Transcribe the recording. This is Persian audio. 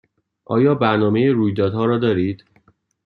آیا برنامه رویدادها را دارید؟